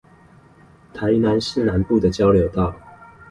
臺南市南部的交流道